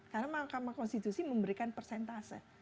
karena mahkamah konstitusi memberikan persentase